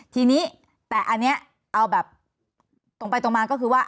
ทีนี้แต่อันนี้เอาแบบตรงไปตรงมาก็คือว่า